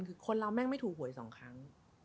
คือคนเราไม่ถูหวยสองครั้ง